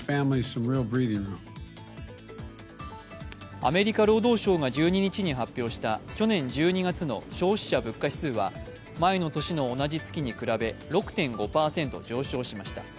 アメリカ労働省が１２日に発表した去年１２月の消費者物価指数は前の年の同じ月に比べ６．５％上昇しました。